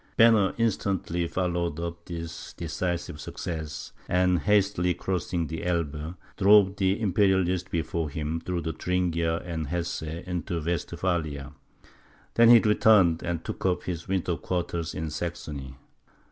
Banner instantly followed up this decisive success, and hastily crossing the Elbe, drove the Imperialists before him, through Thuringia and Hesse, into Westphalia. He then returned, and took up his winter quarters in Saxony.